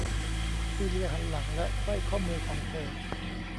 ซีเลียหันหลังและไขว้ข้อมือของเธอ